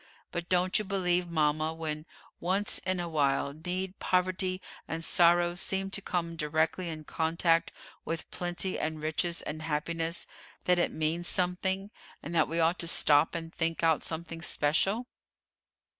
But don't you believe, mama, when, once in a while, need, poverty, and sorrow seem to come directly in contact with plenty and riches and happiness, that it means something, and that we ought to stop and think out something special?"